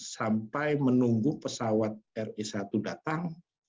sampai menunggu pesawat ri satu datang